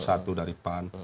satu dari pan